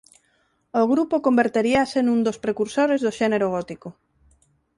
O grupo converteríase nun dos precursores do xénero gótico.